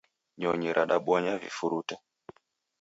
Nyonyi radabonya vifurute.